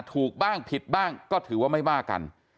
ถูกบ้างผิดบ้างก็ถือว่าไม่มากกัน